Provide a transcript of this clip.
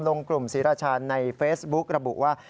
กลุ่มศรีราชาญในเฟซบุ๊กระบุว่า